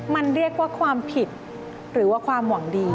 มันเรียกว่าความผิดหรือว่าความหวังดี